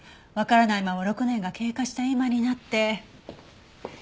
わからないまま６年が経過した今になって。